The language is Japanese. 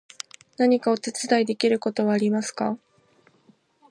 何かお手伝いできることはありますか？